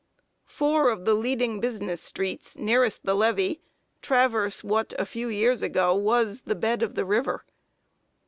Four of the leading business streets, nearest the levee, traverse what, a few years ago, was the bed of the river.